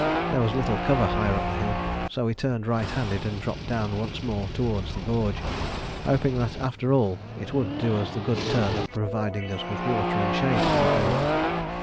There was little cover higher up the hill; so we turned right handed and dropped down once more towards the gorge, hoping that after all it would do us the good turn of providing us with water and shade for the day.